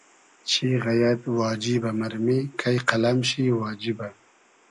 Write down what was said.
چی غئیئد واجیبۂ مئرمی کݷ قئلئم شی واجیبۂ